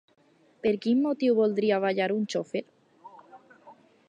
Per quin motiu voldria ballar un xofer?